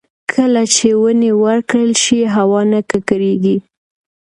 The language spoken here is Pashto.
کله چې ونې وکرل شي، هوا نه ککړېږي.